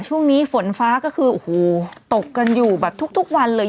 ช่วงนี้ฝนฟ้าก็คือโอ้โหตกกันอยู่แบบทุกวันเลย